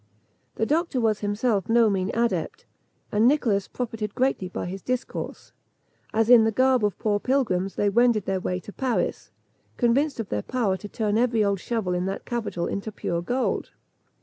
The doctor was himself no mean adept, and Nicholas profited greatly by his discourse, as in the garb of poor pilgrims they wended their way to Paris, convinced of their power to turn every old shovel in that capital into pure gold.